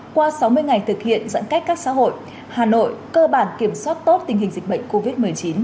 qua sáu mươi ngày thực hiện giãn cách các xã hội hà nội cơ bản kiểm soát tốt tình hình dịch bệnh covid một mươi chín